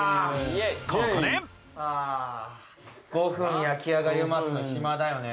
ここで５分焼き上がりを待つのに暇だよね。